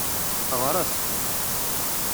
Ɣret!